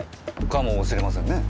かもしれませんね。